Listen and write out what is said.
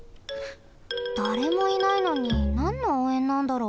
だれもいないのになんのおうえんなんだろ。